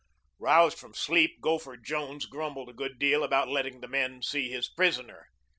Roused from sleep, Gopher Jones grumbled a good deal about letting the men see his prisoner.